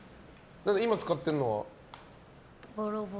今使ってるのは？